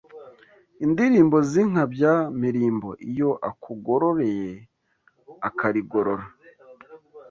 Indirimbo z'inkabya-mirimbo Iyo akugororeye akarigorora